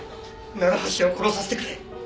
楢橋を殺させてくれ。